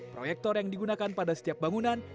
proyektor yang digunakan pada setiap bangunan